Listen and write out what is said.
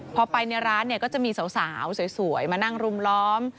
พอไปในร้านเนี่ยก็จะมีสาวสวยมานั่งรุมล้อม